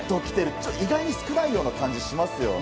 意外に少ないような感じしますよね。